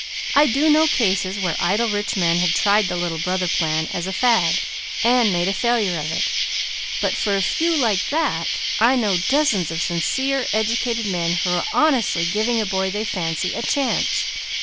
I do know cases where idle rich men have tried the Little Brother plan as a fad, and made a failure of it. But for a few like that, I know dozens of sincere, educated men who are honestly giving a boy they fancy, a chance.